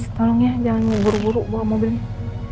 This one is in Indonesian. tolong ya jangan buru buru bawa mobilnya